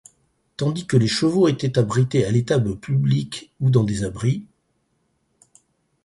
Tandis que les chevaux étaient abrités à l'étable publique ou dans des abris.